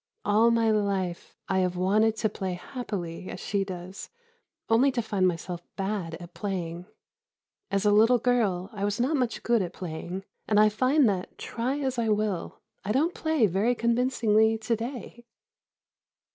"All my life I have wanted to play happily, as she does, only to find myself bad at playing. As a little girl, I was not much good at playing, and I find that, try as I will, I don't play very convincingly today."